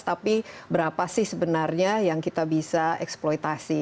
tapi berapa sih sebenarnya yang kita bisa eksploitasi